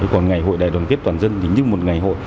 còn ngày hội đại đoàn kết toàn dân thì như một ngày hội